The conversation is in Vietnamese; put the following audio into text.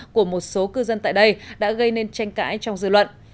của một số cư dân tại đây đã gây nên tranh cãi trong dư luận